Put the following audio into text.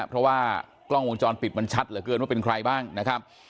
เพราะว่ากล้องวงจรปิดมันชัดเหลือเกินว่าเป็นใครบ้างนะครับ